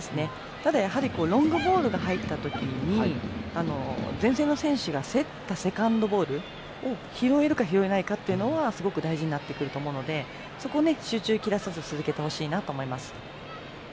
ただ、ロングボールが入ったときに前線の選手が競ったセカンドボールを拾えるか拾えないかというのがすごく大事になってくると思うので、そこを集中切らさず続けてほしいなと思います。